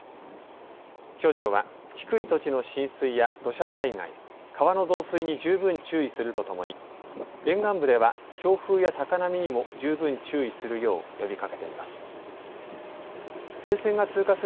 気象庁は低い土地の浸水や土砂災害、川の増水に十分注意するとともに沿岸部では強風や高波にも十分注意するよう呼びかけています。